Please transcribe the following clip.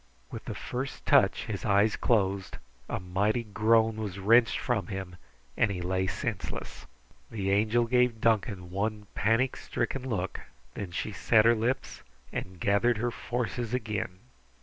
With the first touch his eyes closed, a mighty groan was wrenched from him, and he lay senseless. The Angel gave Duncan one panic stricken look. Then she set her lips and gathered her forces again.